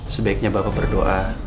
sebaiknya bapak berdoa